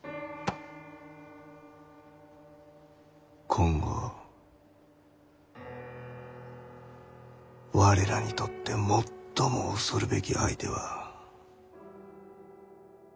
今後我らにとって最も恐るべき相手は。